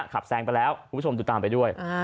ขับแซงไปแล้วคุณผู้ชมติดตามไปด้วยอ่า